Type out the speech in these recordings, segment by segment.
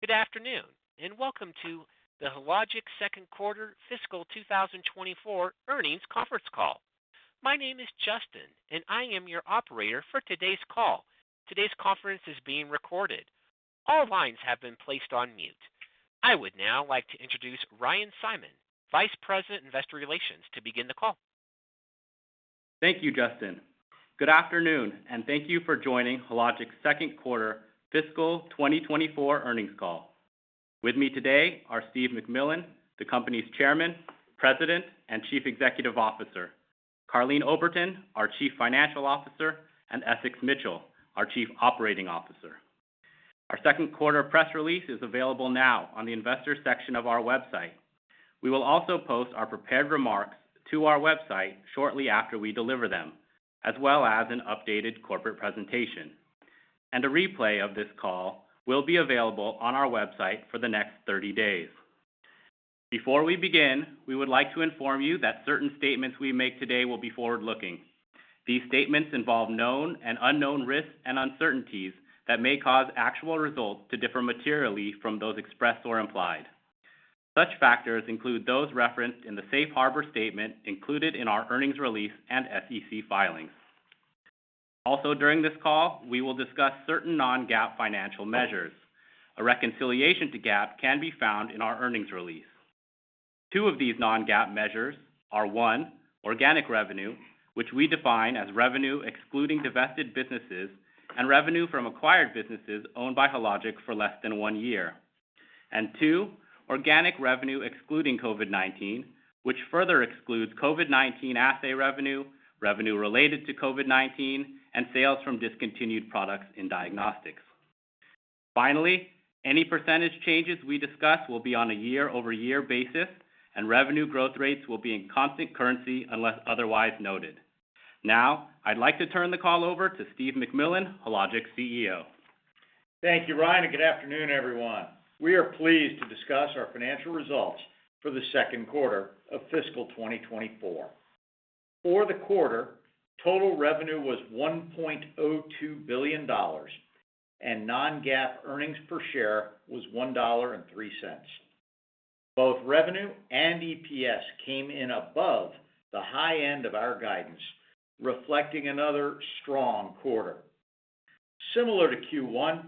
Good afternoon, and welcome to the Hologic second quarter fiscal 2024 earnings conference call. My name is Justin, and I am your operator for today's call. Today's conference is being recorded. All lines have been placed on mute. I would now like to introduce Ryan Simon, Vice President, Investor Relations, to begin the call. Thank you, Justin. Good afternoon, and thank you for joining Hologic's second quarter fiscal 2024 earnings call. With me today are Steve MacMillan, the company's Chairman, President, and Chief Executive Officer, Karleen Oberton, our Chief Financial Officer, and Essex Mitchell, our Chief Operating Officer. Our second quarter press release is available now on the investors section of our website. We will also post our prepared remarks to our website shortly after we deliver them, as well as an updated corporate presentation. A replay of this call will be available on our website for the next 30 days. Before we begin, we would like to inform you that certain statements we make today will be forward-looking. These statements involve known and unknown risks and uncertainties that may cause actual results to differ materially from those expressed or implied. Such factors include those referenced in the safe harbor statement included in our earnings release and SEC filings. Also, during this call, we will discuss certain non-GAAP financial measures. A reconciliation to GAAP can be found in our earnings release. Two of these non-GAAP measures are: one, organic revenue, which we define as revenue excluding divested businesses and revenue from acquired businesses owned by Hologic for less than one year. Two, organic revenue excluding COVID-19, which further excludes COVID-19 assay revenue, revenue related to COVID-19, and sales from discontinued products in diagnostics. Finally, any percentage changes we discuss will be on a year-over-year basis, and revenue growth rates will be in constant currency unless otherwise noted. Now, I'd like to turn the call over to Steve MacMillan, Hologic's CEO. Thank you, Ryan, and good afternoon, everyone. We are pleased to discuss our financial results for the second quarter of fiscal 2024. For the quarter, total revenue was $1.02 billion, and non-GAAP earnings per share was $1.03. Both revenue and EPS came in above the high end of our guidance, reflecting another strong quarter. Similar to Q1,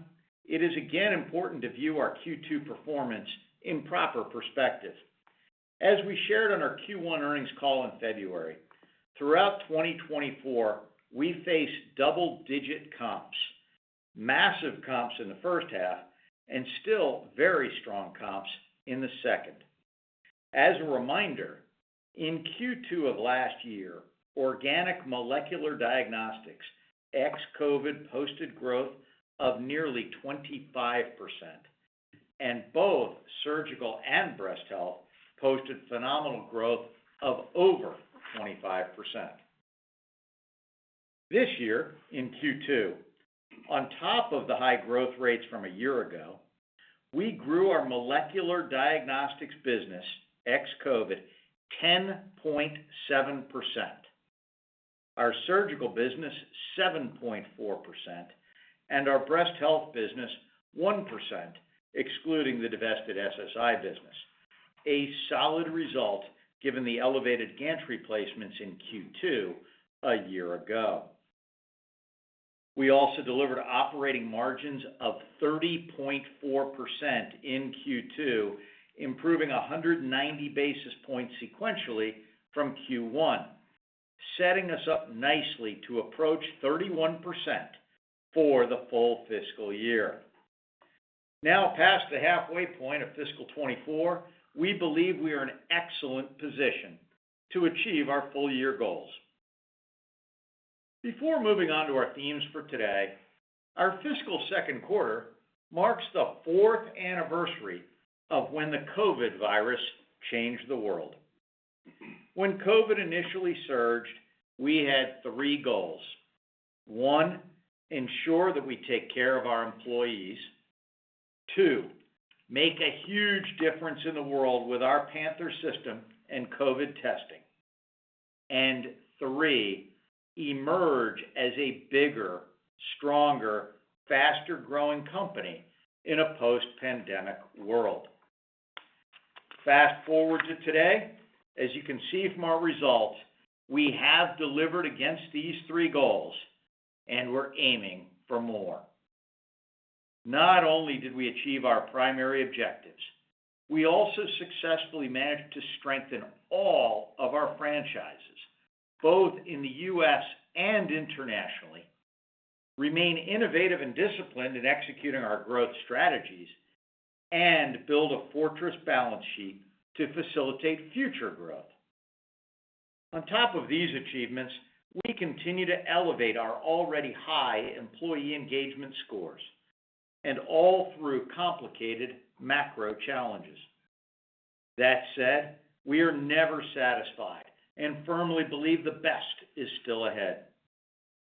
it is again important to view our Q2 performance in proper perspective. As we shared on our Q1 earnings call in February, throughout 2024, we faced double-digit comps, massive comps in the first half, and still very strong comps in the second. As a reminder, in Q2 of last year, organic molecular diagnostics, ex-COVID, posted growth of nearly 25%, and both surgical and Breast Health posted phenomenal growth of over 25%. This year, in Q2, on top of the high growth rates from a year ago, we grew our molecular diagnostics business, ex-COVID, 10.7%, our surgical business 7.4%, and our Breast Health business 1%, excluding the divested SSI business. A solid result, given the elevated gantry replacements in Q2 a year ago. We also delivered operating margins of 30.4% in Q2, improving 190 basis points sequentially from Q1, setting us up nicely to approach 31% for the full fiscal year. Now, past the halfway point of fiscal 2024, we believe we are in excellent position to achieve our full year goals. Before moving on to our themes for today, our fiscal second quarter marks the fourth anniversary of when the COVID virus changed the world. When COVID initially surged, we had three goals: 1, ensure that we take care of our employees. 2, make a huge difference in the world with our Panther system and COVID testing. And 3, emerge as a bigger, stronger, faster-growing company in a post-pandemic world. Fast forward to today. As you can see from our results, we have delivered against these three goals, and we're aiming for more. Not only did we achieve our primary objectives, we also successfully managed to strengthen all of our franchises, both in the U.S. and internationally, remain innovative and disciplined in executing our growth strategies, and build a fortress balance sheet to facilitate future growth. On top of these achievements, we continue to elevate our already high employee engagement scores, and all through complicated macro challenges. That said, we are never satisfied and firmly believe the best is still ahead.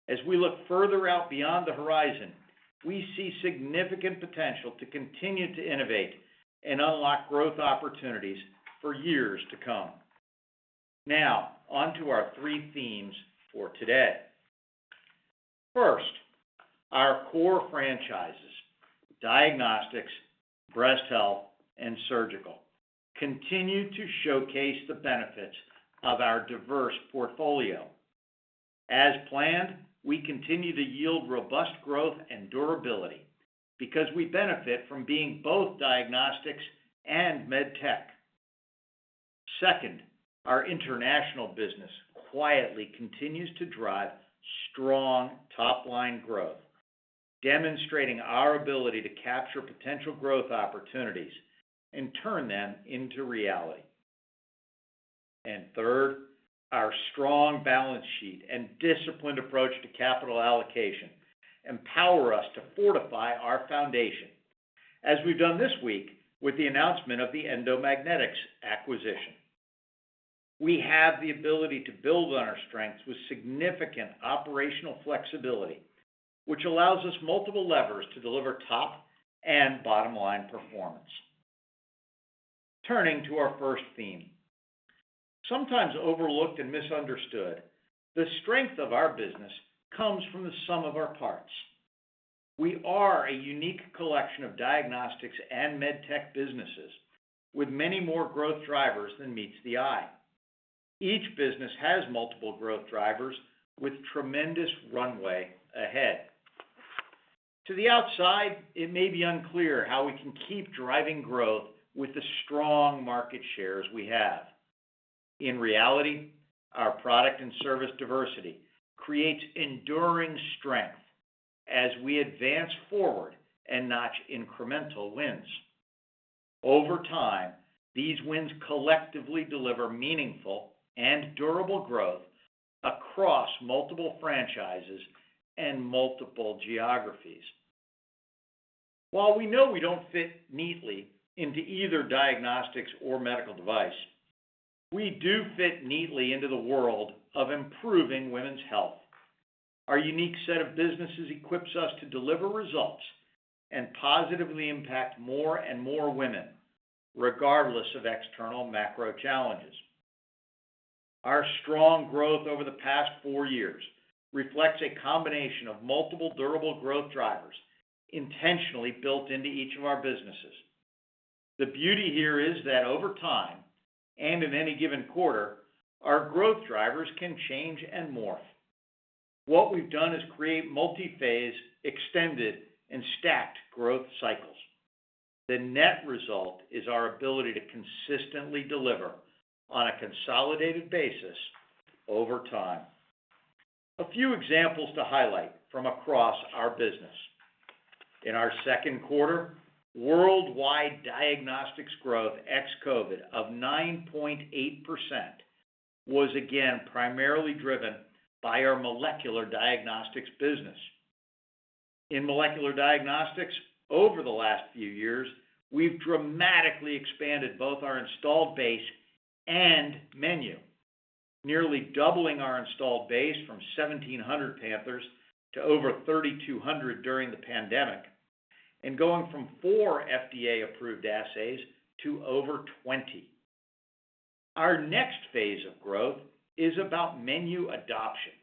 As we look further out beyond the horizon, we see significant potential to continue to innovate and unlock growth opportunities for years to come. Now, on to our three themes for today. First, our core franchises, diagnostics, Breast Health, and surgical, continue to showcase the benefits of our diverse portfolio. As planned, we continue to yield robust growth and durability, because we benefit from being both diagnostics and med tech. Second, our international business quietly continues to drive strong top-line growth, demonstrating our ability to capture potential growth opportunities and turn them into reality. And third, our strong balance sheet and disciplined approach to capital allocation empower us to fortify our foundation, as we've done this week with the announcement of the Endomagnetics acquisition. We have the ability to build on our strengths with significant operational flexibility, which allows us multiple levers to deliver top and bottom line performance. Turning to our first theme. Sometimes overlooked and misunderstood, the strength of our business comes from the sum of our parts. We are a unique collection of diagnostics and med tech businesses, with many more growth drivers than meets the eye. Each business has multiple growth drivers with tremendous runway ahead. To the outside, it may be unclear how we can keep driving growth with the strong market shares we have. In reality, our product and service diversity creates enduring strength as we advance forward and notch incremental wins. Over time, these wins collectively deliver meaningful and durable growth across multiple franchises and multiple geographies. While we know we don't fit neatly into either diagnostics or medical device, we do fit neatly into the world of improving women's health. Our unique set of businesses equips us to deliver results and positively impact more and more women, regardless of external macro challenges. Our strong growth over the past four years reflects a combination of multiple durable growth drivers intentionally built into each of our businesses. The beauty here is that over time, and in any given quarter, our growth drivers can change and morph. What we've done is create multi-phase, extended, and stacked growth cycles. The net result is our ability to consistently deliver on a consolidated basis over time. A few examples to highlight from across our business. In our second quarter, worldwide diagnostics growth ex-COVID of 9.8% was again primarily driven by our molecular diagnostics business. In molecular diagnostics, over the last few years, we've dramatically expanded both our installed base and menu, nearly doubling our installed base from 1,700 Panthers to over 3,200 during the pandemic, and going from 4 FDA-approved assays to over 20. Our next phase of growth is about menu adoption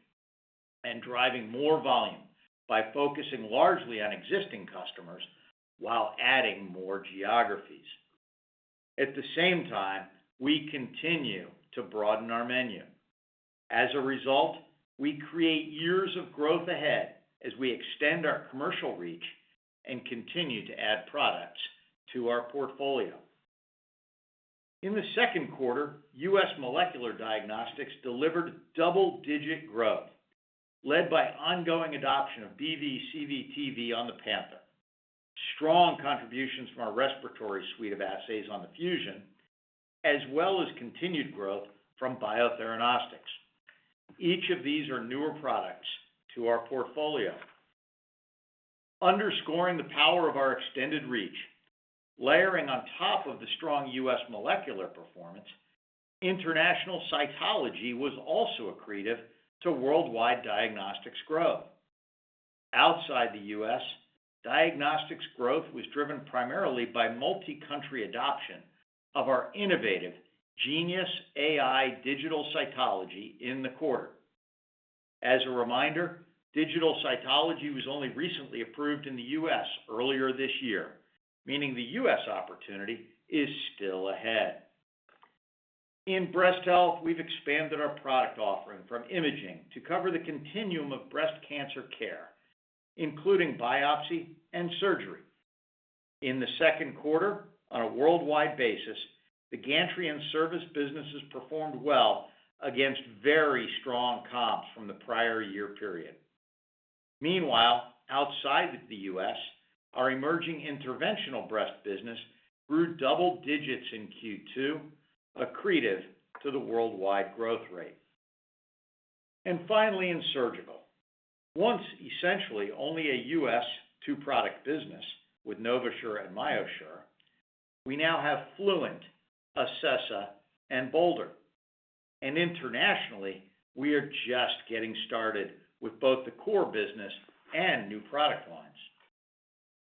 and driving more volume by focusing largely on existing customers while adding more geographies. At the same time, we continue to broaden our menu. As a result, we create years of growth ahead as we extend our commercial reach and continue to add products to our portfolio. In the second quarter, US molecular diagnostics delivered double-digit growth, led by ongoing adoption of BV, CV, TV on the Panther, strong contributions from our respiratory suite of assays on the Fusion, as well as continued growth from Biotheranostics. Each of these are newer products to our portfolio. Underscoring the power of our extended reach, layering on top of the strong U.S. molecular performance, international cytology was also accretive to worldwide diagnostics growth. Outside the U.S., diagnostics growth was driven primarily by multi-country adoption of our innovative Genius AI Digital Cytology in the quarter. As a reminder, digital cytology was only recently approved in the U.S. earlier this year, meaning the U.S. opportunity is still ahead. In Breast Health, we've expanded our product offering from imaging to cover the continuum of breast cancer care, including biopsy and surgery. In the second quarter, on a worldwide basis, the gantry and service businesses performed well against very strong comps from the prior year period. Meanwhile, outside of the U.S., our emerging interventional breast business grew double digits in Q2, accretive to the worldwide growth rate. And finally, in surgical. Once essentially only a U.S. two-product business with NovaSure and MyoSure, we now have Fluent, Acessa, and Bolder. Internationally, we are just getting started with both the core business and new product lines...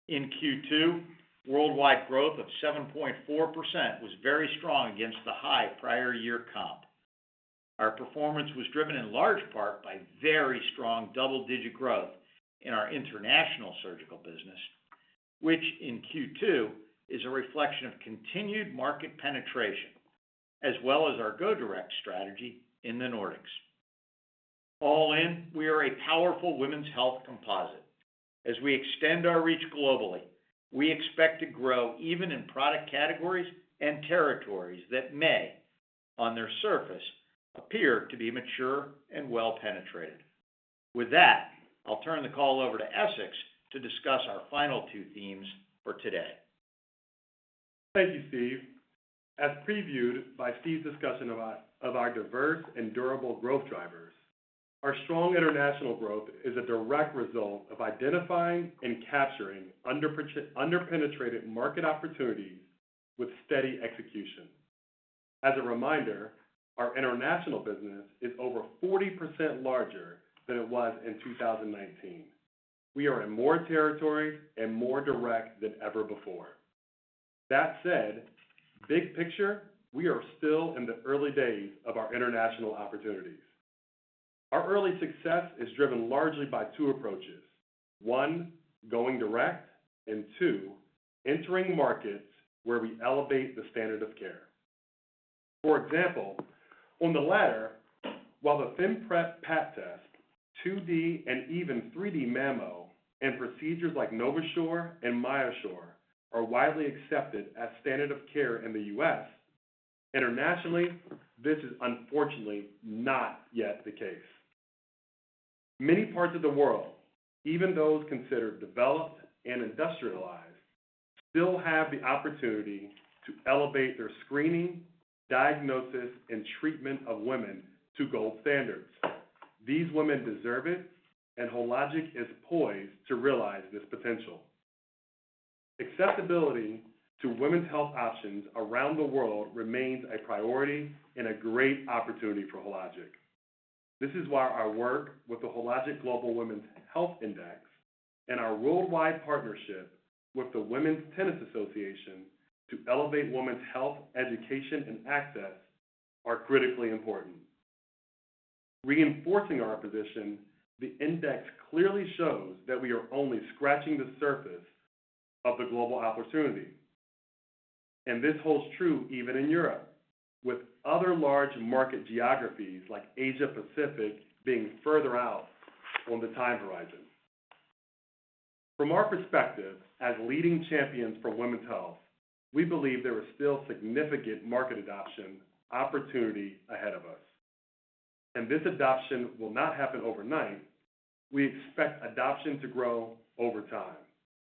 In Q2, worldwide growth of 7.4% was very strong against the high prior year comp. Our performance was driven in large part by very strong double-digit growth in our international surgical business, which in Q2 is a reflection of continued market penetration, as well as our go-direct strategy in the Nordics. All in, we are a powerful women's health composite. As we extend our reach globally, we expect to grow even in product categories and territories that may, on their surface, appear to be mature and well penetrated. With that, I'll turn the call over to Essex to discuss our final two themes for today. Thank you, Steve. As previewed by Steve's discussion about our diverse and durable growth drivers, our strong international growth is a direct result of identifying and capturing under-penetrated market opportunities with steady execution. As a reminder, our international business is over 40% larger than it was in 2019. We are in more territories and more direct than ever before. That said, big picture, we are still in the early days of our international opportunities. Our early success is driven largely by two approaches: one, going direct, and two, entering markets where we elevate the standard of care. For example, on the latter, while the ThinPrep Pap test, 2D, and even 3D mammo, and procedures like NovaSure and MyoSure are widely accepted as standard of care in the US, internationally, this is unfortunately not yet the case. Many parts of the world, even those considered developed and industrialized, still have the opportunity to elevate their screening, diagnosis, and treatment of women to gold standards. These women deserve it, and Hologic is poised to realize this potential. Accessibility to women's health options around the world remains a priority and a great opportunity for Hologic. This is why our work with the Hologic Global Women's Health Index and our worldwide partnership with the Women's Tennis Association to elevate women's health, education, and access are critically important. Reinforcing our position, the index clearly shows that we are only scratching the surface of the global opportunity, and this holds true even in Europe, with other large market geographies like Asia Pacific being further out on the time horizon. From our perspective, as leading champions for women's health, we believe there is still significant market adoption opportunity ahead of us, and this adoption will not happen overnight. We expect adoption to grow over time,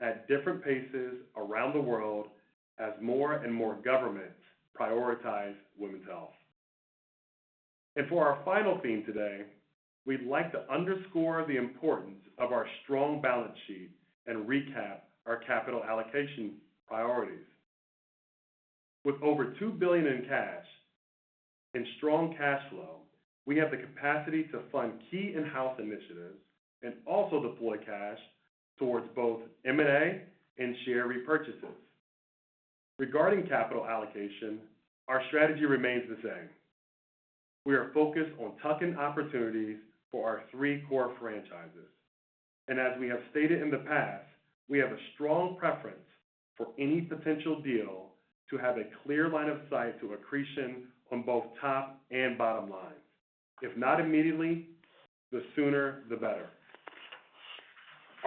at different paces around the world as more and more governments prioritize women's health. For our final theme today, we'd like to underscore the importance of our strong balance sheet and recap our capital allocation priorities. With over $2 billion in cash and strong cash flow, we have the capacity to fund key in-house initiatives and also deploy cash towards both M&A and share repurchases. Regarding capital allocation, our strategy remains the same. We are focused on tuck-in opportunities for our three core franchises, and as we have stated in the past, we have a strong preference for any potential deal to have a clear line of sight to accretion on both top and bottom line. If not immediately, the sooner, the better.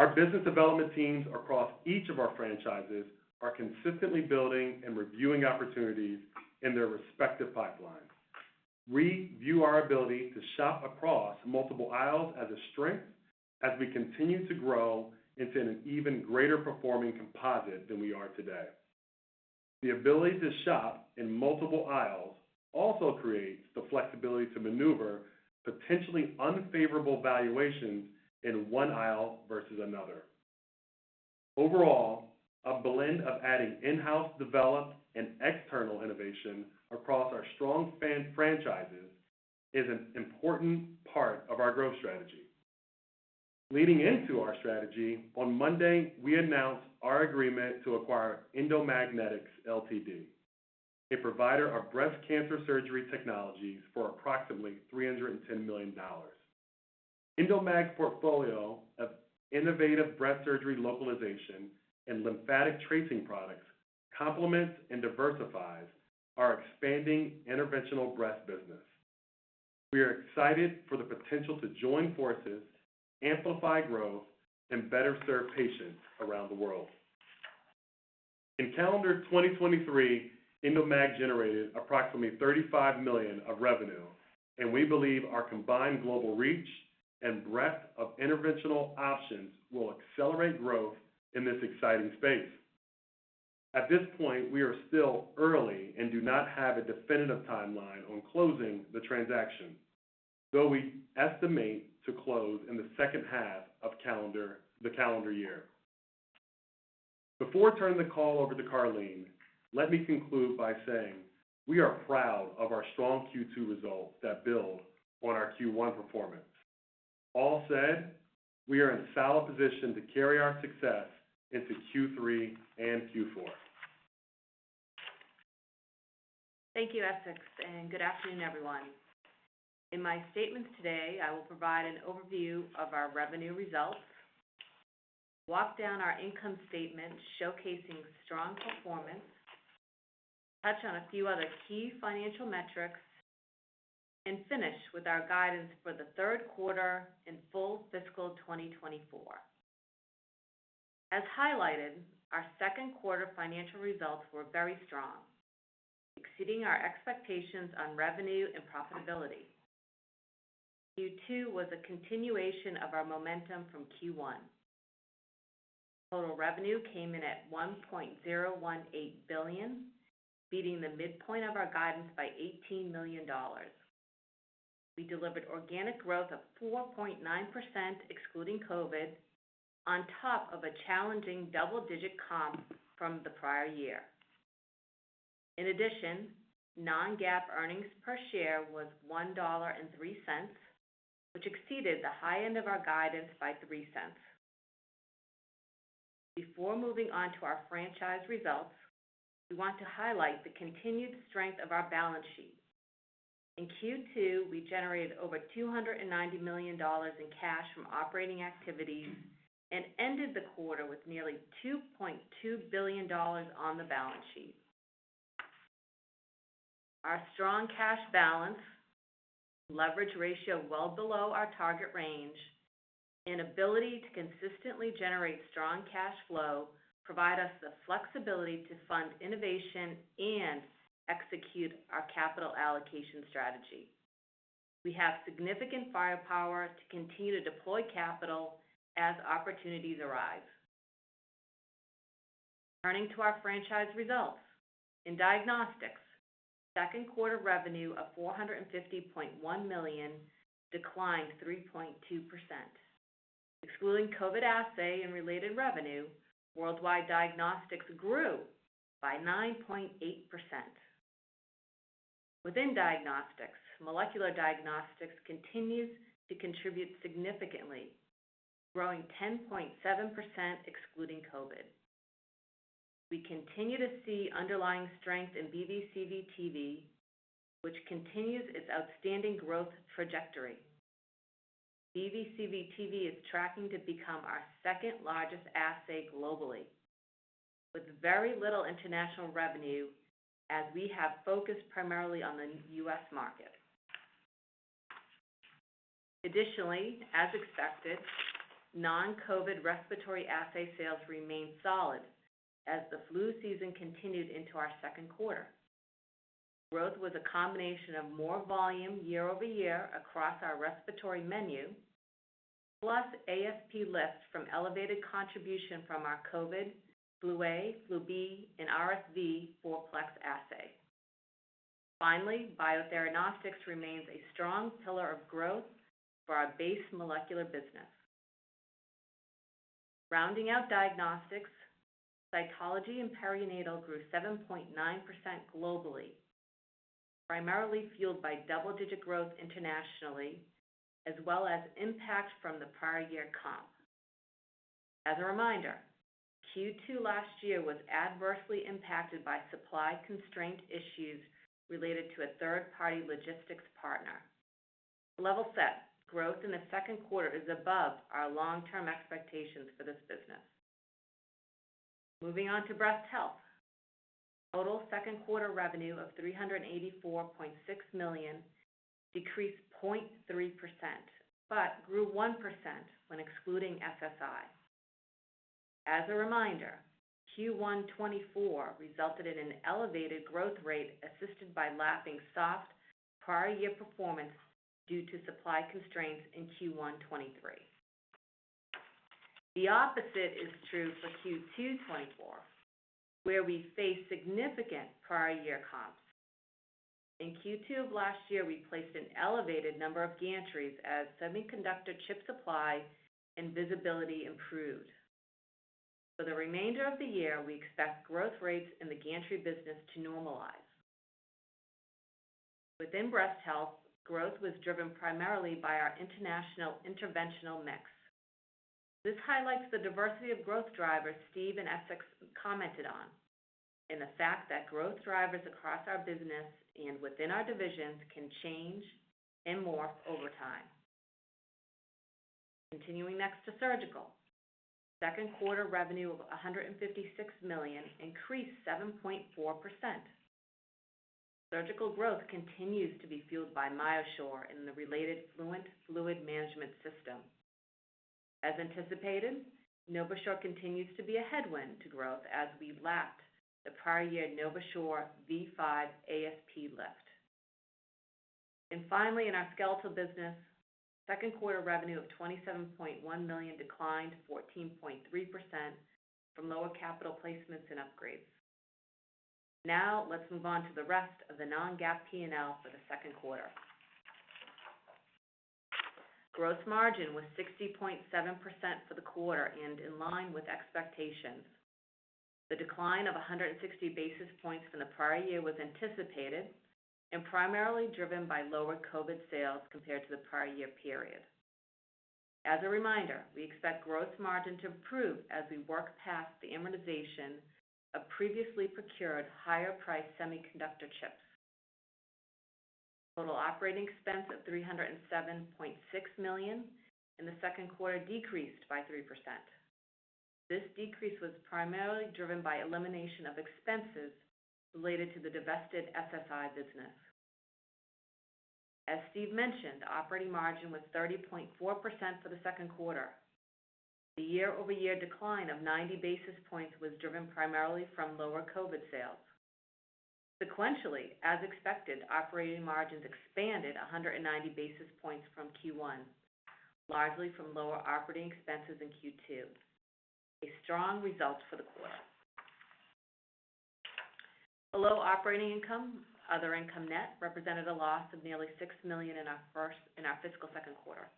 Our business development teams across each of our franchises are consistently building and reviewing opportunities in their respective pipelines. We view our ability to shop across multiple aisles as a strength as we continue to grow into an even greater performing composite than we are today. The ability to shop in multiple aisles also creates the flexibility to maneuver potentially unfavorable valuations in one aisle versus another. Overall, a blend of adding in-house developed and external innovation across our strong span franchises is an important part of our growth strategy. Leading into our strategy, on Monday, we announced our agreement to acquire Endomagnetics Ltd, a provider of breast cancer surgery technologies, for approximately $310 million. Endomag portfolio of innovative breast surgery, localization, and lymphatic tracing products complements and diversifies our expanding interventional breast business. We are excited for the potential to join forces, amplify growth, and better serve patients around the world. In calendar 2023, Endomag generated approximately $35 million of revenue, and we believe our combined global reach and breadth of interventional options will accelerate growth in this exciting space. At this point, we are still early and do not have a definitive timeline on closing the transaction, though we estimate to close in the second half of the calendar year. Before turning the call over to Karleen, let me conclude by saying, we are proud of our strong Q2 results that build on our Q1 performance. All said, we are in a solid position to carry our success into Q3 and Q4. Thank you, Essex, and good afternoon, everyone. In my statements today, I will provide an overview of our revenue results, walk down our income statement showcasing strong performance, touch on a few other key financial metrics, and finish with our guidance for the third quarter and full fiscal 2024. As highlighted, our second quarter financial results were very strong, exceeding our expectations on revenue and profitability. Q2 was a continuation of our momentum from Q1. Total revenue came in at $1.018 billion, beating the midpoint of our guidance by $18 million. We delivered organic growth of 4.9%, excluding COVID, on top of a challenging double-digit comp from the prior year. In addition, non-GAAP earnings per share was $1.03, which exceeded the high end of our guidance by 3 cents. Before moving on to our franchise results, we want to highlight the continued strength of our balance sheet. In Q2, we generated over $290 million in cash from operating activities and ended the quarter with nearly $2.2 billion on the balance sheet. Our strong cash balance, leverage ratio well below our target range, and ability to consistently generate strong cash flow provide us the flexibility to fund innovation and execute our capital allocation strategy. We have significant firepower to continue to deploy capital as opportunities arise. Turning to our franchise results. In diagnostics, second quarter revenue of $450.1 million declined 3.2%. Excluding COVID assay and related revenue, worldwide diagnostics grew by 9.8%. Within diagnostics, molecular diagnostics continues to contribute significantly, growing 10.7% excluding COVID. We continue to see underlying strength in BV/CV/TV, which continues its outstanding growth trajectory. BV/CV/TV is tracking to become our second-largest assay globally, with very little international revenue, as we have focused primarily on the US market. Additionally, as expected, non-COVID respiratory assay sales remained solid as the flu season continued into our second quarter. Growth was a combination of more volume year over year across our respiratory menu, plus ASP lifts from elevated contribution from our COVID, flu A, flu B, and RSV four-plex assay. Finally, Biotheranostics remains a strong pillar of growth for our base molecular business. Rounding out diagnostics, cytology and perinatal grew 7.9% globally, primarily fueled by double-digit growth internationally, as well as impact from the prior year comp. As a reminder, Q2 last year was adversely impacted by supply constraint issues related to a third-party logistics partner. Level set, growth in the second quarter is above our long-term expectations for this business. Moving on to Breast Health. Total second quarter revenue of $384.6 million decreased 0.3%, but grew 1% when excluding SSI. As a reminder, Q1 2024 resulted in an elevated growth rate, assisted by lapping soft prior year performance due to supply constraints in Q1 2023. The opposite is true for Q2 2024, where we faced significant prior year comps. In Q2 of last year, we placed an elevated number of gantries as semiconductor chip supply and visibility improved. For the remainder of the year, we expect growth rates in the gantry business to normalize. Within Breast Health, growth was driven primarily by our international interventional mix. This highlights the diversity of growth drivers Steve and Essex commented on, and the fact that growth drivers across our business and within our divisions can change and morph over time. Continuing next to Surgical. Second quarter revenue of $156 million increased 7.4%. Surgical growth continues to be fueled by MyoSure and the related Fluent Fluid Management System. As anticipated, NovaSure continues to be a headwind to growth as we lapped the prior year NovaSure V5 ASP lift. Finally, in our Skeletal business, second quarter revenue of $27.1 million declined 14.3% from lower capital placements and upgrades. Now, let's move on to the rest of the non-GAAP P&L for the second quarter. Gross margin was 60.7% for the quarter and in line with expectations. The decline of 160 basis points from the prior year was anticipated and primarily driven by lower COVID sales compared to the prior year period. As a reminder, we expect gross margin to improve as we work past the amortization of previously procured higher-priced semiconductor chips. Total operating expense of $307.6 million in the second quarter decreased by 3%. This decrease was primarily driven by elimination of expenses related to the divested FSI business. As Steve mentioned, the operating margin was 30.4% for the second quarter. The year-over-year decline of 90 basis points was driven primarily from lower COVID sales. Sequentially, as expected, operating margins expanded 190 basis points from Q1, largely from lower operating expenses in Q2. A strong result for the quarter. Below operating income, other income net represented a loss of nearly $6 million in our fiscal second quarter.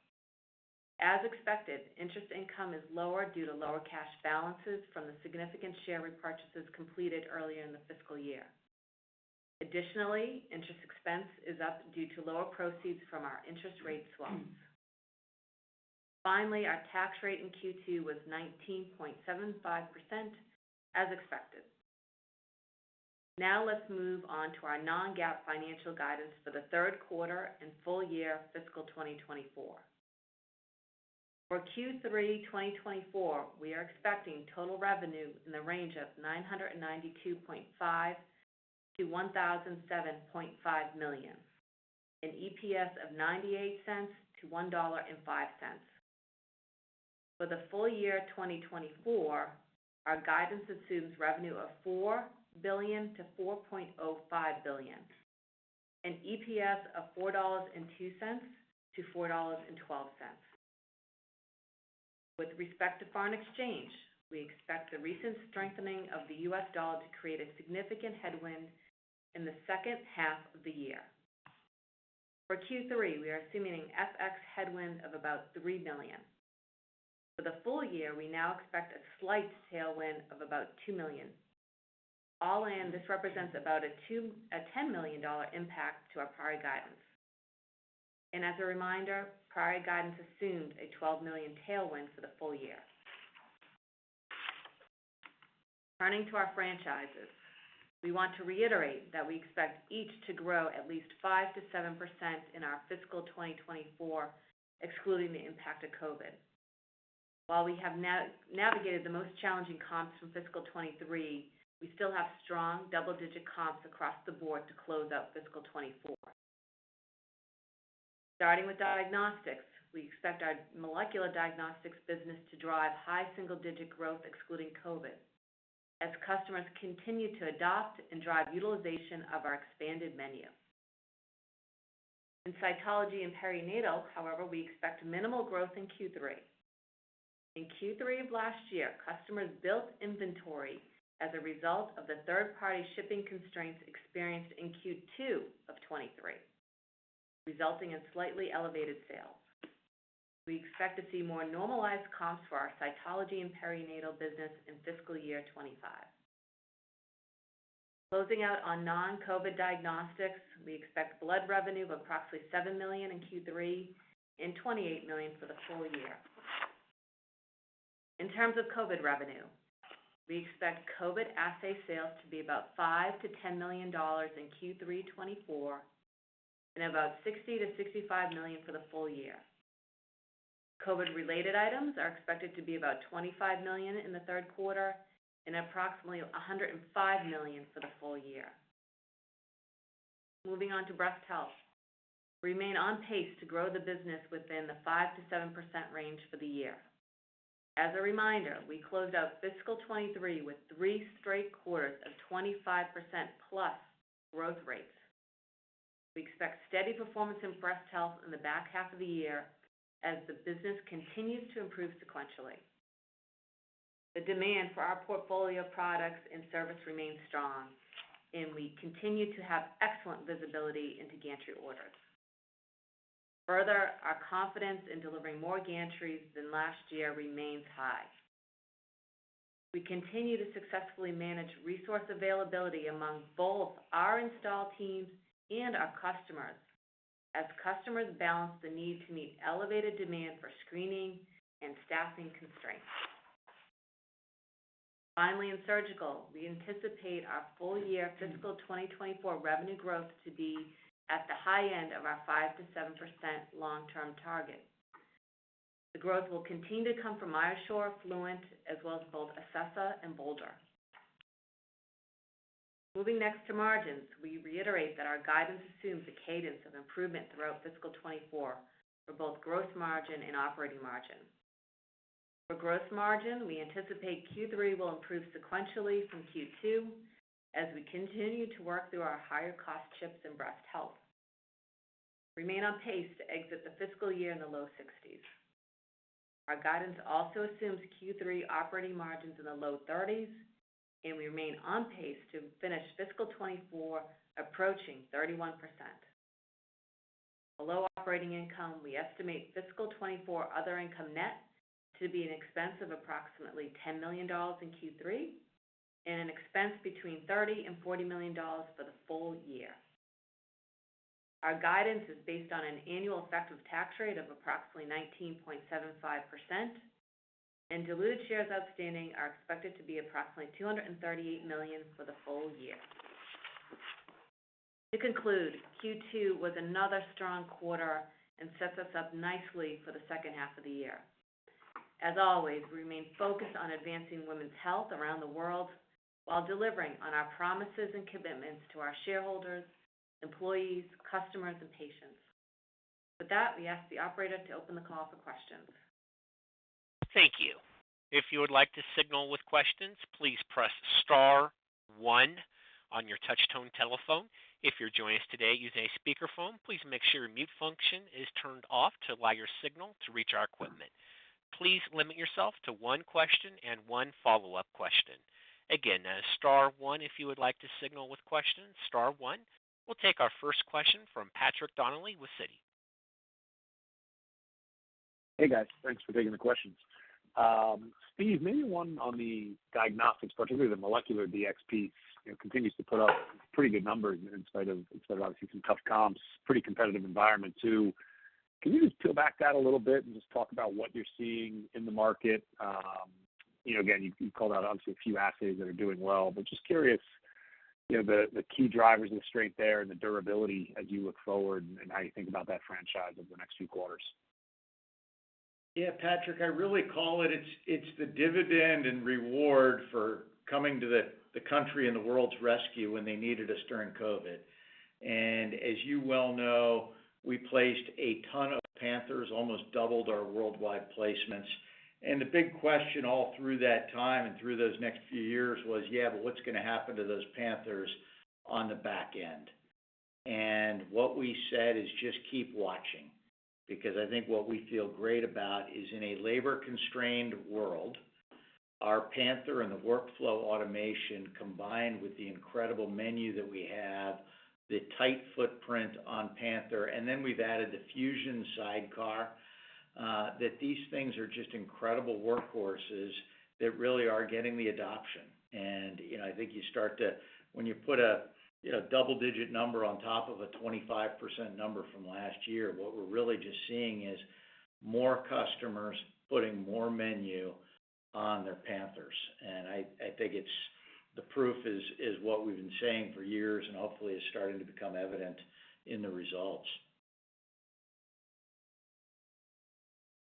As expected, interest income is lower due to lower cash balances from the significant share repurchases completed earlier in the fiscal year. Additionally, interest expense is up due to lower proceeds from our interest rate swaps. Finally, our tax rate in Q2 was 19.75%, as expected. Now let's move on to our non-GAAP financial guidance for the third quarter and full year fiscal 2024. For Q3 2024, we are expecting total revenue in the range of $992.5 million-$1,007.5 million, an EPS of $0.98-$1.05. For the full year 2024, our guidance assumes revenue of $4 billion-$4.05 billion, an EPS of $4.02-$4.12. With respect to foreign exchange, we expect the recent strengthening of the US dollar to create a significant headwind in the second half of the year. For Q3, we are assuming an FX headwind of about $3 million. For the full year, we now expect a slight tailwind of about $2 million. All in, this represents about a two- to ten million dollar impact to our prior guidance. And as a reminder, prior guidance assumed a $12 million tailwind for the full year. Turning to our franchises, we want to reiterate that we expect each to grow at least 5%-7% in our fiscal 2024, excluding the impact of COVID. While we have navigated the most challenging comps from fiscal 2023, we still have strong double-digit comps across the board to close out fiscal 2024. Starting with diagnostics, we expect our molecular diagnostics business to drive high single-digit growth, excluding COVID, as customers continue to adopt and drive utilization of our expanded menu. In cytology and perinatal, however, we expect minimal growth in Q3. In Q3 of last year, customers built inventory as a result of the third-party shipping constraints experienced in Q2 of 2023, resulting in slightly elevated sales. We expect to see more normalized comps for our cytology and perinatal business in fiscal year 2025. Closing out on non-COVID diagnostics, we expect blood revenue of approximately $7 million in Q3 and $28 million for the full year. In terms of COVID revenue, we expect COVID assay sales to be about $5-$10 million in Q3 2024, and about $60-$65 million for the full year. COVID-related items are expected to be about $25 million in the third quarter and approximately $105 million for the full year. Moving on to Breast Health. We remain on pace to grow the business within the 5%-7% range for the year. As a reminder, we closed out fiscal 2023 with three straight quarters of 25%+ growth rates. We expect steady performance in Breast Health in the back half of the year as the business continues to improve sequentially. The demand for our portfolio of products and service remains strong, and we continue to have excellent visibility into gantry orders. Further, our confidence in delivering more gantries than last year remains high. We continue to successfully manage resource availability among both our install teams and our customers, as customers balance the need to meet elevated demand for screening and staffing constraints. Finally, in surgical, we anticipate our full-year fiscal 2024 revenue growth to be at the high end of our 5%-7% long-term target. The growth will continue to come from MyoSure, Fluent, as well as both Acessa and Boulder. Moving next to margins, we reiterate that our guidance assumes a cadence of improvement throughout fiscal 2024 for both gross margin and operating margin. For gross margin, we anticipate Q3 will improve sequentially from Q2 as we continue to work through our higher-cost chips in Breast Health. Remain on pace to exit the fiscal year in the low 60s. Our guidance also assumes Q3 operating margins in the low 30s, and we remain on pace to finish fiscal 2024 approaching 31%. Below operating income, we estimate fiscal 2024 other income net to be an expense of approximately $10 million in Q3, and an expense between $30 million and $40 million for the full year. Our guidance is based on an annual effective tax rate of approximately 19.75%, and diluted shares outstanding are expected to be approximately 238 million for the whole year. To conclude, Q2 was another strong quarter and sets us up nicely for the second half of the year. As always, we remain focused on advancing women's health around the world, while delivering on our promises and commitments to our shareholders, employees, customers, and patients. With that, we ask the operator to open the call for questions. Thank you. If you would like to signal with questions, please press star one on your touchtone telephone. If you're joining us today using a speakerphone, please make sure your mute function is turned off to allow your signal to reach our equipment. Please limit yourself to one question and one follow-up question. Again, star one, if you would like to signal with questions, star one. We'll take our first question from Patrick Donnelly with Citi. Hey, guys. Thanks for taking the questions. Steve, maybe one on the diagnostics, particularly the molecular DXP, you know, continues to put up pretty good numbers in spite of obviously some tough comps. Pretty competitive environment, too. Can you just peel back that a little bit and just talk about what you're seeing in the market? You know, again, you called out obviously a few assays that are doing well, but just curious, you know, the key drivers of strength there and the durability as you look forward and how you think about that franchise over the next few quarters. Yeah, Patrick, I really call it, it's the dividend and reward for coming to the country and the world's rescue when they needed us during COVID. And as you well know, we placed a ton of Panthers, almost doubled our worldwide placements. And the big question all through that time and through those next few years was: Yeah, but what's gonna happen to those Panthers on the back end? And what we said is, "Just keep watching." Because I think what we feel great about is in a labor-constrained world, our Panther and the workflow automation, combined with the incredible menu that we have, the tight footprint on Panther, and then we've added the Fusion sidecar, that these things are just incredible workhorses that really are getting the adoption. You know, I think you start to—when you put a, you know, double-digit number on top of a 25% number from last year, what we're really just seeing is more customers putting more menu on their Panthers. And I think it's the proof is what we've been saying for years, and hopefully, it's starting to become evident in the results.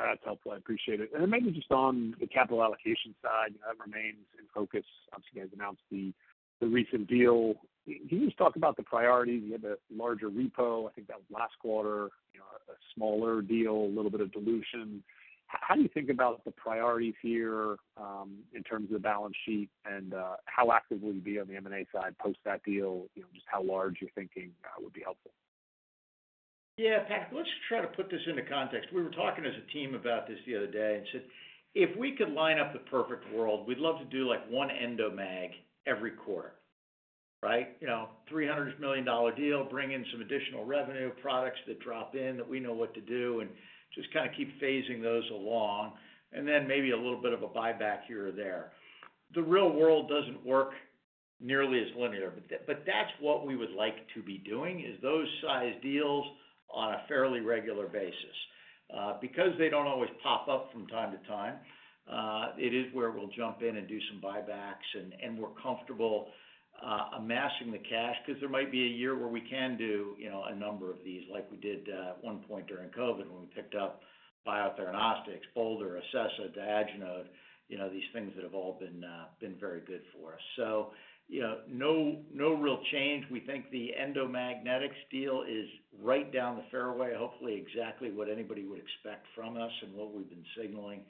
That's helpful. I appreciate it. And then maybe just on the capital allocation side, you know, that remains in focus. Obviously, you guys announced the recent deal. Can you just talk about the priorities? You had a larger repo, I think that was last quarter. You know, a smaller deal, a little bit of dilution. How do you think about the priorities here in terms of the balance sheet and how active will you be on the M&A side post that deal? You know, just how large you're thinking would be helpful. Yeah, Patrick, let's try to put this into context. We were talking as a team about this the other day and said, "If we could line up the perfect world, we'd love to do, like, one Endomag every quarter." Right? You know, $300 million deal, bring in some additional revenue, products that drop in, that we know what to do, and just kind of keep phasing those along, and then maybe a little bit of a buyback here or there. The real world doesn't work nearly as linear, but that's what we would like to be doing, is those size deals on a fairly regular basis. Because they don't always pop up from time to time, it is where we'll jump in and do some buybacks, and we're comfortable amassing the cash, because there might be a year where we can do, you know, a number of these, like we did at one point during COVID, when we picked up Biotheranostics, Bolder, Acessa, Diagenode, you know, these things that have all been very good for us. So, you know, no, no real change. We think the Endomagnetics deal is right down the fairway, hopefully exactly what anybody would expect from us and what we've been signaling.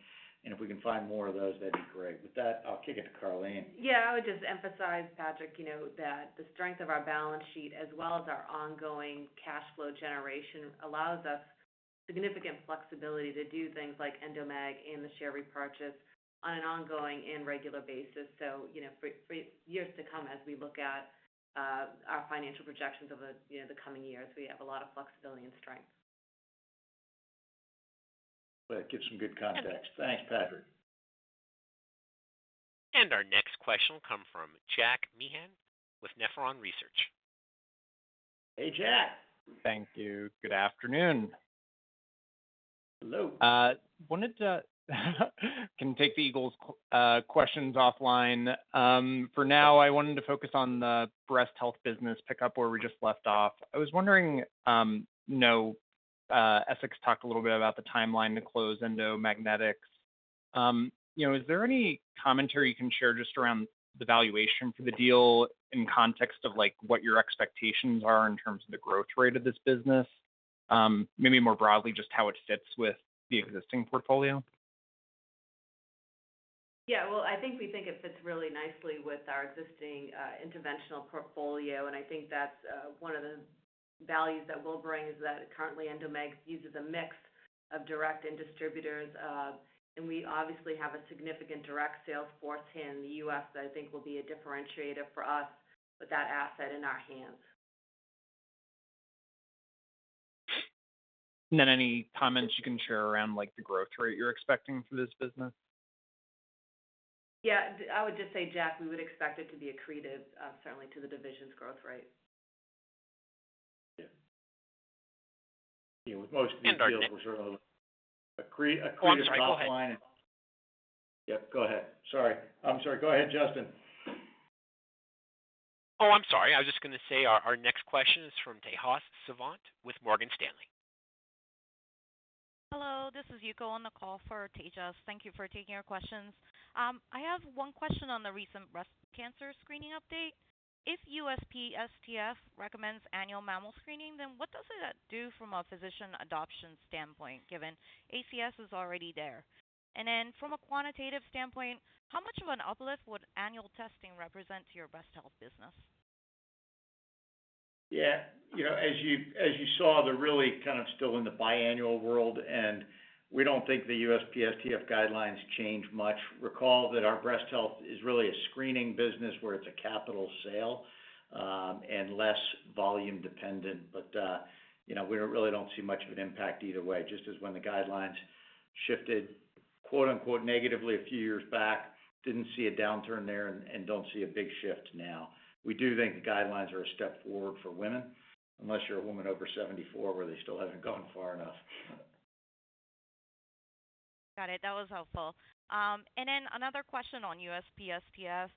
And if we can find more of those, that'd be great. With that, I'll kick it to Karleen. Yeah, I would just emphasize, Patrick, you know, that the strength of our balance sheet as well as our ongoing cash flow generation, allows us significant flexibility to do things like Endomag and the share repurchase on an ongoing and regular basis. So you know, for years to come, as we look at our financial projections over, you know, the coming years, we have a lot of flexibility and strength. Well, it gives some good context. Thanks, Patrick. Our next question will come from Jack Meehan with Nephron Research. Hey, Jack. Thank you. Good afternoon. Hello. Wanted to take the Eagles questions offline. For now, I wanted to focus on the Breast Health business, pick up where we just left off. I was wondering, you know, Essex talked a little bit about the timeline to close Endomag. You know, is there any commentary you can share just around the valuation for the deal in context of, like, what your expectations are in terms of the growth rate of this business? Maybe more broadly, just how it fits with the existing portfolio. Yeah, well, I think we think it fits really nicely with our existing interventional portfolio. And I think that's one of the values that we'll bring is that currently, Endomag uses a mix of direct and distributors. And we obviously have a significant direct sales force here in the U.S., that I think will be a differentiator for us with that asset in our hands. Any comments you can share around, like, the growth rate you're expecting for this business? Yeah, I would just say, Jeff, we would expect it to be accretive, certainly to the division's growth rate. Yeah. With most of these deals are sort of accretive, accretive bottom line. Oh, I'm sorry, go ahead. Yep, go ahead. Sorry. I'm sorry. Go ahead, Justin. Oh, I'm sorry. I was just gonna say our, our next question is from Tejas Savant with Morgan Stanley. Hello, this is Yuko on the call for Tejas. Thank you for taking our questions. I have one question on the recent breast cancer screening update. If USPSTF recommends annual mammography screening, then what does that do from a physician adoption standpoint, given ACS is already there? And then from a quantitative standpoint, how much of an uplift would annual testing represent to your Breast Health business? Yeah, you know, as you, as you saw, they're really kind of still in the biannual world, and we don't think the USPSTF guidelines change much. Recall that our Breast Health is really a screening business where it's a capital sale, and less volume dependent. But, you know, we really don't see much of an impact either way, just as when the guidelines shifted, quote-unquote, negatively a few years back, didn't see a downturn there and, and don't see a big shift now. We do think the guidelines are a step forward for women, unless you're a woman over 74, where they still haven't gone far enough. Got it. That was helpful. And then another question on USPSTF.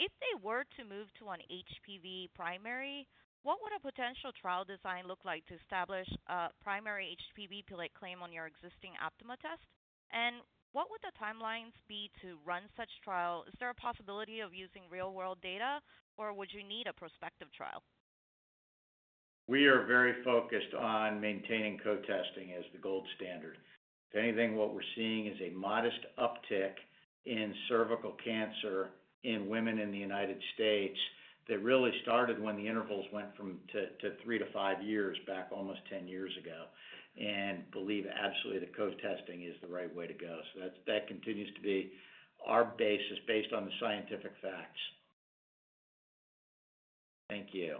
If they were to move to an HPV primary, what would a potential trial design look like to establish a primary HPV claim on your existing Aptima test? And what would the timelines be to run such trial? Is there a possibility of using real-world data, or would you need a prospective trial? We are very focused on maintaining co-testing as the gold standard. If anything, what we're seeing is a modest uptick in cervical cancer in women in the United States, that really started when the intervals went from 3 to 5 years back, almost 10 years ago, and believe absolutely that co-testing is the right way to go. So that's that continues to be our basis, based on the scientific facts. Thank you.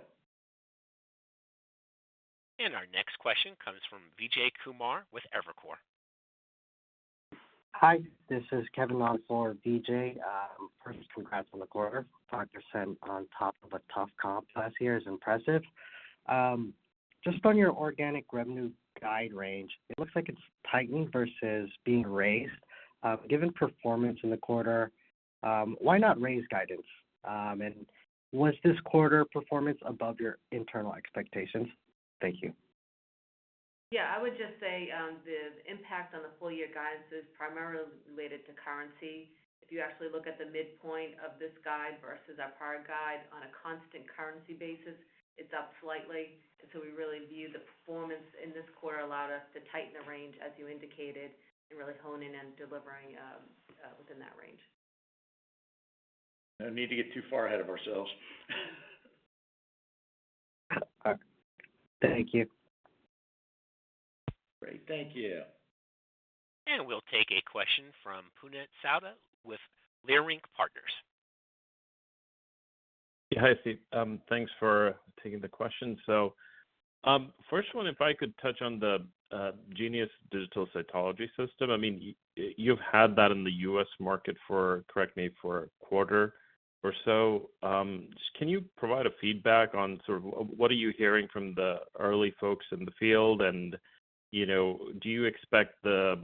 Our next question comes from Vijay Kumar with Evercore. Hi, this is Kevin on for Vijay. First, congrats on the quarter. 5% on top of a tough comp last year is impressive. Just on your organic revenue guide range, it looks like it's tightened versus being raised. Given performance in the quarter, why not raise guidance? And was this quarter performance above your internal expectations? Thank you. Yeah, I would just say, the impact on the full year guidance is primarily related to currency. If you actually look at the midpoint of this guide versus our prior guide on a constant currency basis, it's up slightly. And so we really view the performance in this quarter allowed us to tighten the range, as you indicated, and really hone in on delivering, within that range. No need to get too far ahead of ourselves. Thank you. Great. Thank you. We'll take a question from Puneet Souda with Leerink Partners. Hi, Steve. Thanks for taking the question. So, first one, if I could touch on the, Genius Digital Cytology system. I mean, you've had that in the U.S. market for, correct me, for a quarter or so. Can you provide a feedback on sort of what are you hearing from the early folks in the field? And, you know, do you expect the,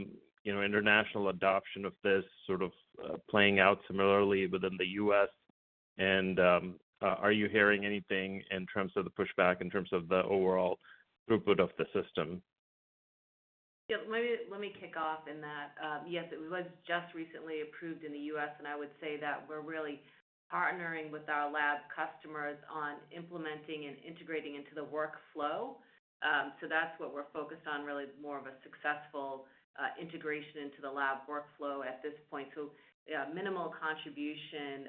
you know, international adoption of this sort of playing out similarly within the U.S.? And, are you hearing anything in terms of the pushback, in terms of the overall throughput of the system? Yeah, let me kick off in that. Yes, it was just recently approved in the U.S., and I would say that we're really partnering with our lab customers on implementing and integrating into the workflow. So that's what we're focused on, really more of a successful integration into the lab workflow at this point. So yeah, minimal contribution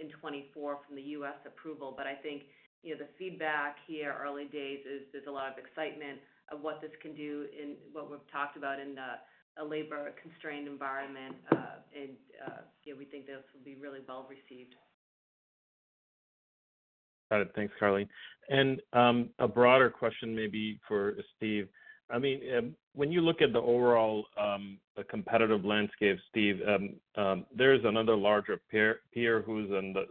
in 2024 from the U.S. approval, but I think, you know, the feedback here, early days, is there's a lot of excitement of what this can do in what we've talked about in a labor-constrained environment. And yeah, we think this will be really well received. Got it. Thanks, Karleen. And a broader question maybe for Steve. I mean, when you look at the overall, the competitive landscape, Steve, there is another larger peer who's on the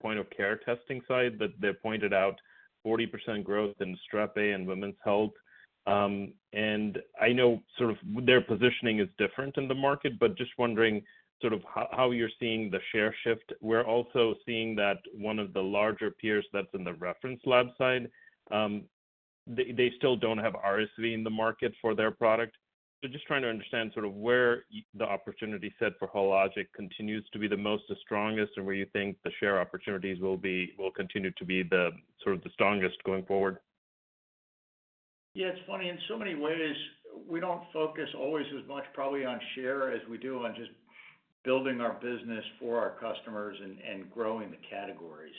point-of-care testing side, but they pointed out 40% growth in Strep A in women's health. And I know sort of their positioning is different in the market, but just wondering sort of how you're seeing the share shift. We're also seeing that one of the larger peers that's in the reference lab side, they still don't have RSV in the market for their product. So just trying to understand sort of where the opportunity set for Hologic continues to be the most, the strongest, and where you think the share opportunities will be-- will continue to be the sort of the strongest going forward. Yeah, it's funny, in so many ways, we don't focus always as much, probably on share as we do on just building our business for our customers and growing the categories.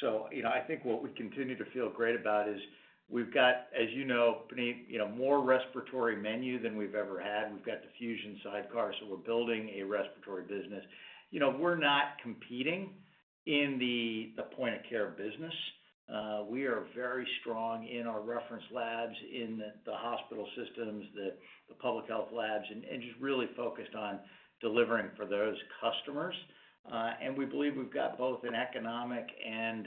So, you know, I think what we continue to feel great about is we've got, as you know, Puneet, you know, more respiratory menu than we've ever had. We've got the Fusion sidecar, so we're building a respiratory business. You know, we're not competing in the point of care business. We are very strong in our reference labs, in the hospital systems, the public health labs, and just really focused on delivering for those customers. And we believe we've got both an economic and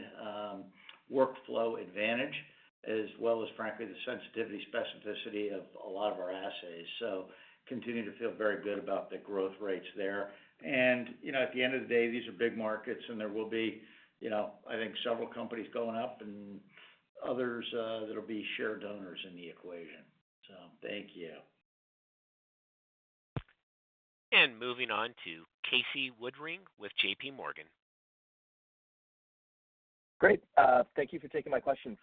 workflow advantage, as well as frankly, the sensitivity specificity of a lot of our assays. So continuing to feel very good about the growth rates there. And, you know, at the end of the day, these are big markets, and there will be, you know, I think several companies going up and others that'll be shared owners in the equation. So thank you. Moving on to Casey Woodring with J.P. Morgan. Great. Thank you for taking my questions.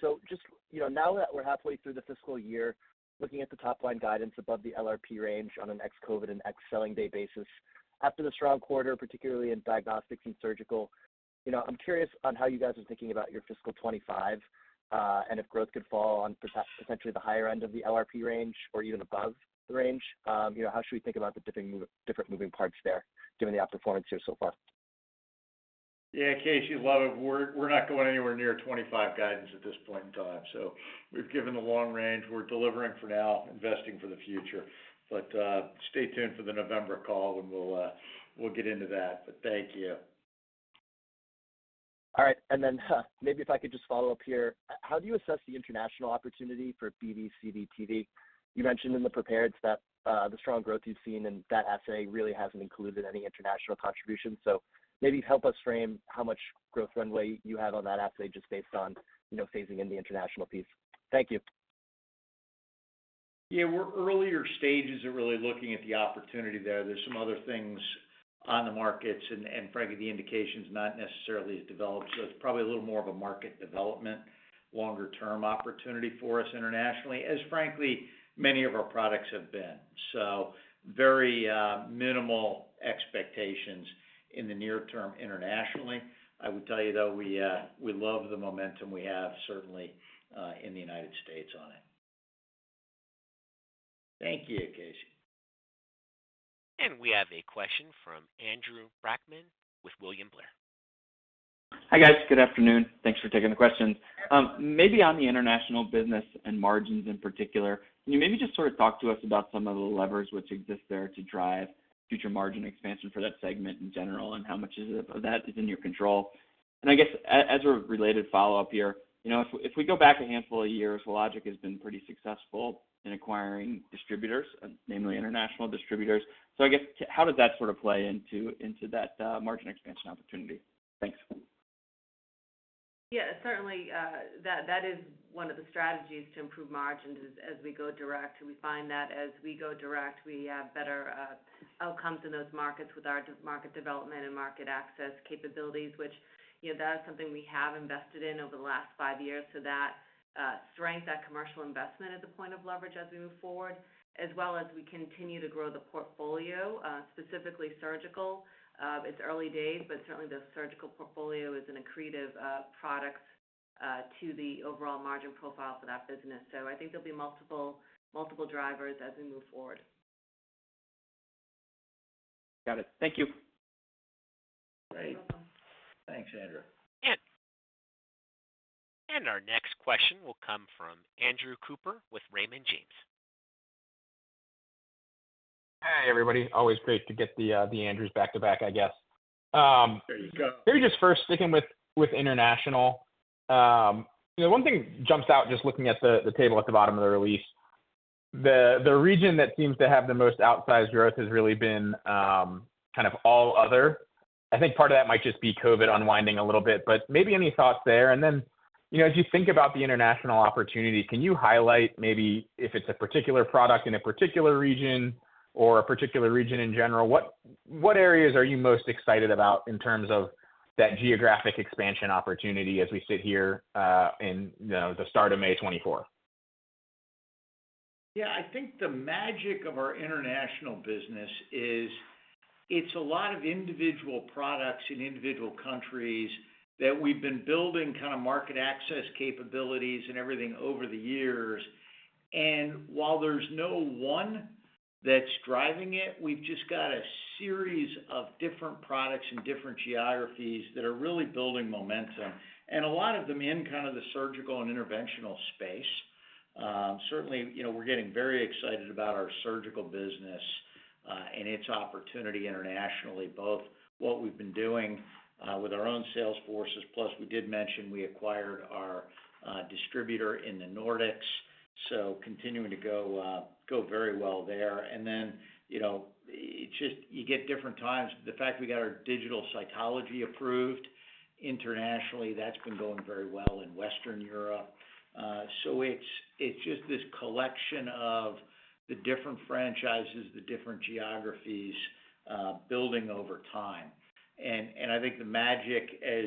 So just, you know, now that we're halfway through the fiscal year, looking at the top line guidance above the LRP range on an ex-COVID and ex-selling day basis, after the strong quarter, particularly in diagnostics and surgical, you know, I'm curious on how you guys are thinking about your fiscal 2025, and if growth could fall on essentially the higher end of the LRP range or even above the range. You know, how should we think about the different moving parts there, given the outperformance here so far? Yeah, Casey, love it. We're, we're not going anywhere near 25 guidance at this point in time. So we've given the long range. We're delivering for now, investing for the future. But stay tuned for the November call, and we'll, we'll get into that. But thank you. All right. And then, maybe if I could just follow up here. How do you assess the international opportunity for BV/CV/TV? You mentioned in the prepared step the strong growth you've seen in that assay really hasn't included any international contributions. So maybe help us frame how much growth runway you have on that assay, just based on, you know, phasing in the international piece. Thank you. Yeah, we're earlier stages of really looking at the opportunity there. There's some other things on the markets, and frankly, the indications not necessarily as developed. So it's probably a little more of a market development, longer term opportunity for us internationally, as frankly, many of our products have been. So very minimal expectations in the near term internationally. I would tell you, though, we love the momentum we have, certainly in the United States on it. Thank you, Casey. We have a question from Andrew Brackman with William Blair. Hi, guys. Good afternoon. Thanks for taking the questions. Maybe on the international business and margins in particular, can you maybe just sort of talk to us about some of the levers which exist there to drive future margin expansion for that segment in general, and how much of it, of that is in your control? And I guess, as a related follow-up here, you know, if we go back a handful of years, Hologic has been pretty successful in acquiring distributors, and namely international distributors. So I guess, how does that sort of play into that margin expansion opportunity? Thanks. Yeah, certainly, that is one of the strategies to improve margins, is as we go direct. We find that as we go direct, we have better outcomes in those markets with our market development and market access capabilities, which, you know, that is something we have invested in over the last five years. So that strength, that commercial investment is a point of leverage as we move forward, as well as we continue to grow the portfolio, specifically surgical. It's early days, but certainly the surgical portfolio is an accretive product to the overall margin profile for that business. So I think there'll be multiple, multiple drivers as we move forward. Got it. Thank you. Great. You're welcome. Thanks, Andrew. Our next question will come from Andrew Cooper with Raymond James. Hi, everybody. Always great to get the Andrews back to back, I guess. There you go. Maybe just first sticking with international. You know, one thing jumps out just looking at the table at the bottom of the release. The region that seems to have the most outsized growth has really been kind of all other. I think part of that might just be COVID unwinding a little bit, but maybe any thoughts there? And then, you know, as you think about the international opportunity, can you highlight maybe if it's a particular product in a particular region or a particular region in general, what areas are you most excited about in terms of that geographic expansion opportunity as we sit here in the start of May 2024? Yeah, I think the magic of our international business is it's a lot of individual products in individual countries that we've been building kind of market access capabilities and everything over the years. And while there's no one that's driving it, we've just got a series of different products and different geographies that are really building momentum, and a lot of them in kind of the surgical and interventional space. Certainly, you know, we're getting very excited about our surgical business, and its opportunity internationally, both what we've been doing with our own sales forces. Plus, we did mention we acquired our distributor in the Nordics, so continuing to go very well there. And then, you know, it just, you get different times. The fact we got our digital cytology approved internationally, that's been going very well in Western Europe. So it's, it's just this collection of the different franchises, the different geographies—building over time. And, and I think the magic, as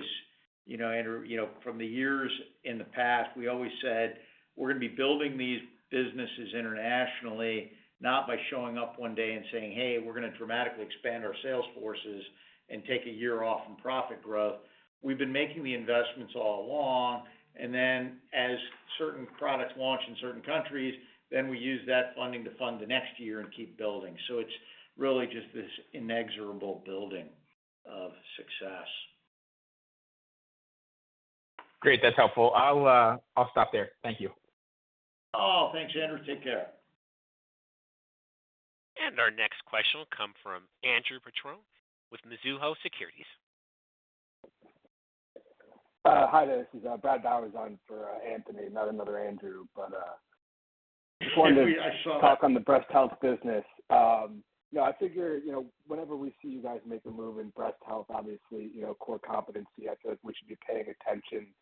you know, Andrew, you know, from the years in the past, we always said we're going to be building these businesses internationally, not by showing up one day and saying, "Hey, we're going to dramatically expand our sales forces and take a year off in profit growth." We've been making the investments all along, and then as certain products launch in certain countries, then we use that funding to fund the next year and keep building. So it's really just this inexorable building of success. Great, that's helpful. I'll, I'll stop there. Thank you. Oh, thanks, Andrew. Take care. Our next question will come from Andrew Petrone with Mizuho Securities. Hi there. This is Brad Bowers, on for Anthony, not another Andrew, but- I saw that. Talk on the Breast Health business. You know, I figure, you know, whenever we see you guys make a move in Breast Health, obviously, you know, core competency, I feel we should be paying attention.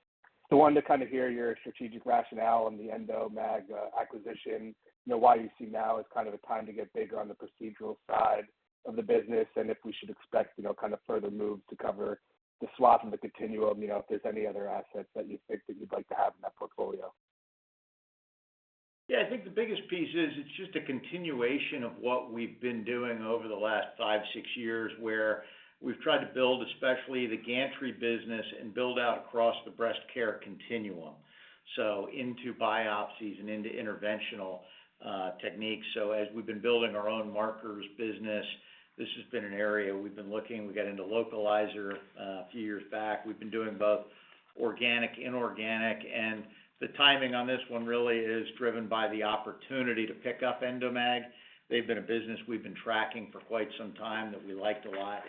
So I wanted to kind of hear your strategic rationale on the Endomag acquisition. You know, why you see now as kind of a time to get bigger on the procedural side of the business, and if we should expect, you know, kind of further moves to cover the swath of the continuum, you know, if there's any other assets that you think that you'd like to have in that portfolio. Yeah, I think the biggest piece is, it's just a continuation of what we've been doing over the last five, six years, where we've tried to build, especially the gantry business and build out across the breast care continuum, so into biopsies and into interventional techniques. So as we've been building our own markers business, this has been an area we've been looking. We got into LOCalizer a few years back. We've been doing both organic, inorganic, and the timing on this one really is driven by the opportunity to pick up Endomag. They've been a business we've been tracking for quite some time, that we liked a lot,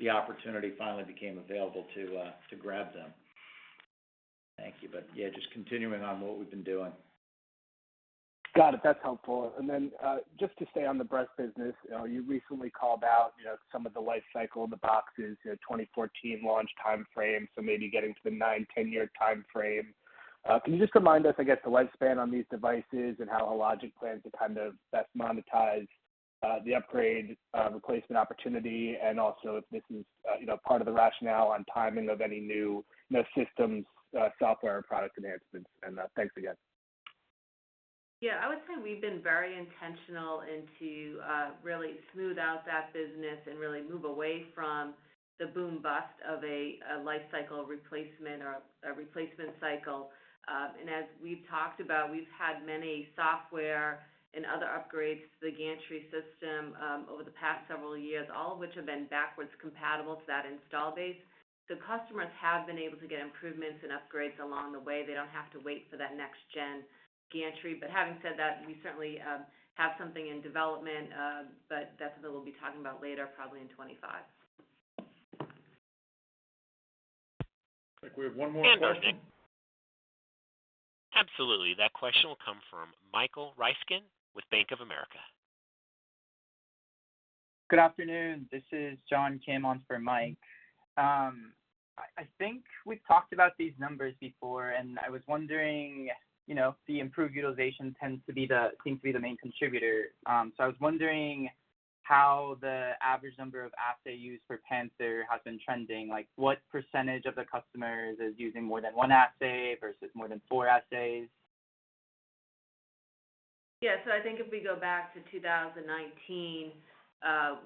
and the opportunity finally became available to grab them. Thank you. But yeah, just continuing on what we've been doing. Got it. That's helpful. And then, just to stay on the breast business, you know, you recently called out, you know, some of the life cycle in the boxes, you know, 2014 launch time frame, so maybe getting to the 9-10-year time frame. Can you just remind us, I guess, the lifespan on these devices and how Hologic plans to kind of best monetize the upgrade replacement opportunity, and also if this is, you know, part of the rationale on timing of any new, you know, systems, software and product enhancements? And thanks again. Yeah, I would say we've been very intentional into really smooth out that business and really move away from the boom bust of a life cycle replacement or a replacement cycle. And as we've talked about, we've had many software and other upgrades to the gantry system over the past several years, all of which have been backwards compatible to that install base. The customers have been able to get improvements and upgrades along the way. They don't have to wait for that next gen gantry. But having said that, we certainly have something in development, but that's what we'll be talking about later, probably in 2025. I think we have one more question. Absolutely. That question will come from Michael Ryskin with Bank of America. Good afternoon. This is John Kim on for Mike. I think we've talked about these numbers before, and I was wondering, you know, the improved utilization tends to be the, seems to be the main contributor. So I was wondering how the average number of assay use for Panther has been trending. Like, what percentage of the customers is using more than one assay versus more than four assays? Yeah, so I think if we go back to 2019,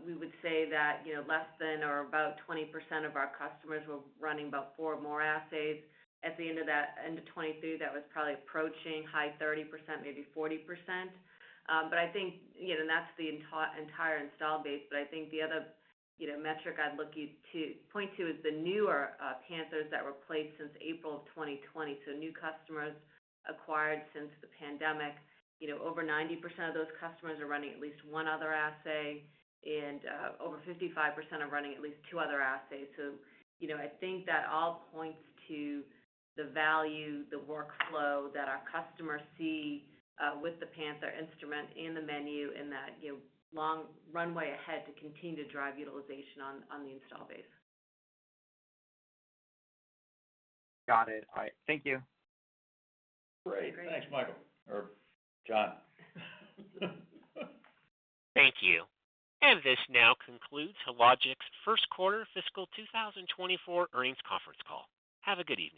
we would say that, you know, less than or about 20% of our customers were running about 4 or more assays. At the end of that, end of 2023, that was probably approaching high 30%, maybe 40%. But I think, you know, that's the entire install base. But I think the other, you know, metric I'd point to is the newer Panthers that were placed since April of 2020. So new customers acquired since the pandemic. You know, over 90% of those customers are running at least one other assay, and over 55% are running at least two other assays. You know, I think that all points to the value, the workflow that our customers see with the Panther instrument and the menu, and that, you know, long runway ahead to continue to drive utilization on the install base. Got it. All right. Thank you. Great. Thanks, Michael or John. Thank you. This now concludes Hologic's first quarter fiscal 2024 earnings conference call. Have a good evening.